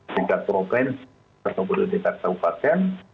dekat provinsi tersebut dari dekat tahu pasien